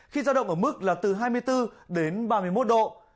khi giao động ở mức là từ hai mươi bốn đến ba mươi một độ